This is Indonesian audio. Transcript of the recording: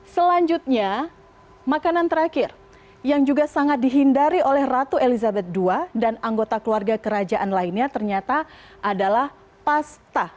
selanjutnya makanan terakhir yang juga sangat dihindari oleh ratu elizabeth ii dan anggota keluarga kerajaan lainnya ternyata adalah pasta